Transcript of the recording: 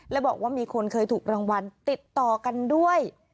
และบอกว่ามีคนเคยถูกรางวัลติดต่อกันด้วย